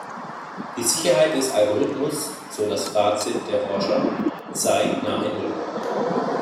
Die Sicherheit des Algorithmus, so das Fazit der Forscher, sei „nahe Null“.